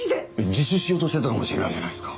自首しようとしてたのかもしれないじゃないですか。